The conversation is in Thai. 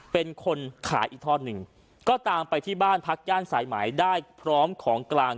เป็นคนขายอีกทอดหนึ่งก็ตามไปที่บ้านพักย่านสายไหมได้พร้อมของกลาง